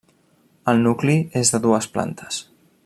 El nucli és de dues plantes.